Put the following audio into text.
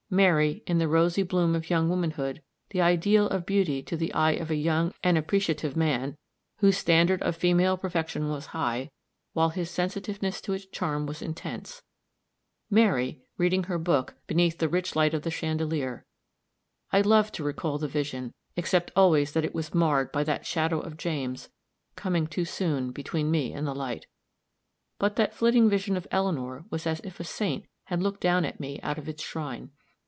Mary, in the rosy bloom of young womanhood, the ideal of beauty to the eye of a young and appreciative man, whose standard of female perfection was high, while his sensitiveness to its charm was intense Mary, reading her book beneath the rich light of the chandelier I loved to recall the vision, except always that it was marred by that shadow of James coming too soon between me and the light. But that flitting vision of Eleanor was as if a saint had looked down at me out of its shrine.